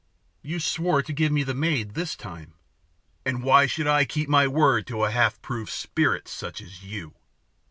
"You swore to give me the maid this time." "And why should I keep my word to a half proved spirit such as you?"